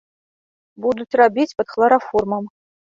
Будуць рабіць пад хлараформам.